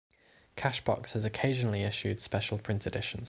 "Cashbox" has occasionally issued special print editions.